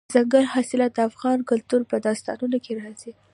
دځنګل حاصلات د افغان کلتور په داستانونو کې راځي.